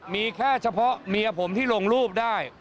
มีแค่เฉพาะเมียผมที่ลงรูปได้